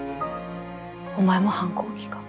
お前も反抗期か。